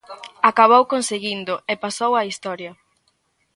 Acabou conseguíndoo e pasou á historia.